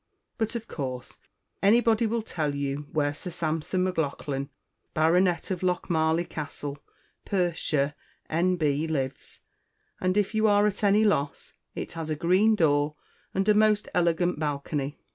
But, of Course, anybody will Tell you where Sir Sampson Maclaughlan, Baronet, of Lochmarliie Castle, Perthshire, N. B., lives; and, if You are at any Loss, it has a Green door, and a most Elegant Balcony.